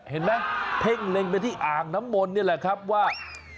เห็นไหมเพ่งเล็งไปที่อ่างน้ำมนต์นี่แหละครับว่า